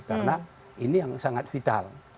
karena ini yang sangat vital